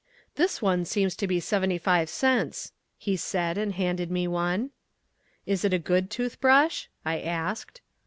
"This one seems to be seventy five cents," he said and handed me one. "Is it a good tooth brush?" I asked.